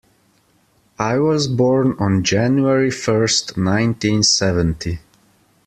I was born on January first, nineteen seventy.